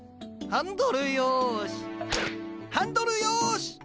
ハンドルよし。